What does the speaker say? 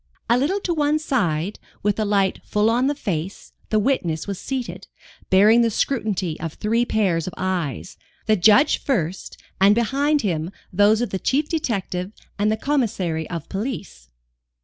A little to one side, with the light full on the face, the witness was seated, bearing the scrutiny of three pairs of eyes the Judge first, and behind him, those of the Chief Detective and the Commissary of Police.